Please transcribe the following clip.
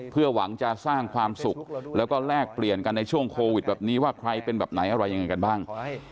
เพื่อหวังจะสร้างความสุขแล้วก็แลกเปลี่ยนกันในช่วงโควิดแบบนี้ว่าใครเป็นแบบไหนอะไรยังไงกันบ้าง